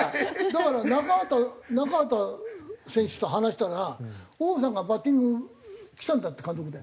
だから中畑中畑選手と話したら王さんがバッティング来たんだって監督で。